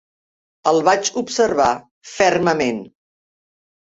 El vaig observar fermament.